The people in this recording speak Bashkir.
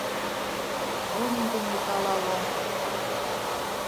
Был ниндәй металлолом?